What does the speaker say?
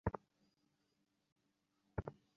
এটা তোমার শার্ট?